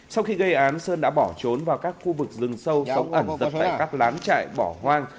sau khi gây án sơn đã bỏ trốn vào các khu vực rừng sâu sống ẩn giật tại các lán trại bỏ hoang